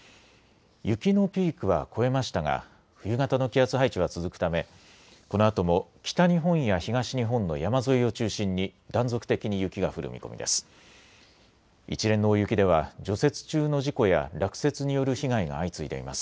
雪のピークは越えましたが冬型の気圧配置は続くためこのあとも北日本や東日本の山沿いを中心に断続的に雪が降る見込みです。